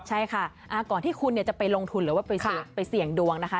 ใช่ค่ะก่อนที่คุณจะไปลงทุนหรือว่าไปเสี่ยงดวงนะคะ